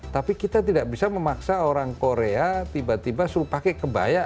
tapi kita tidak bisa memaksa orang korea tiba tiba suruh pakai kebaya